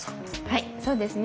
はいそうですね。